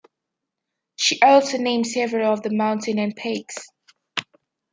She also named several of the mountains and peaks.